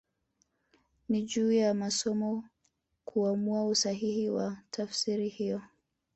Ni juu ya msomaji kuamua usahihi wa tafsiri hiyo